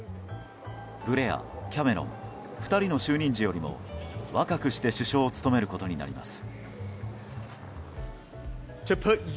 ブレア、キャメロン２人の就任時よりも若くして首相を務めることになります。